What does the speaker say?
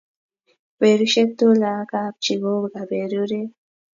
berushiek tugul ak kap chii ko kaberuret